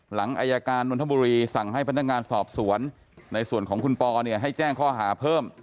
หลังอายการนนทบุรีสั่งให้พนักงานสอบสวนในส่วนของคุณปอเนี่ยให้แจ้งข้อหาเพิ่ม